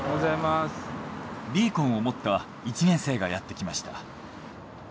ビーコンを持った１年生がやってきました。